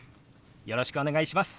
よろしくお願いします。